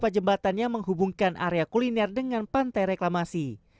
jembatannya menghubungkan area kuliner dengan pantai reklamasi